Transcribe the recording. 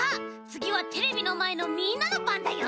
つぎはテレビのまえのみんなのばんだよ！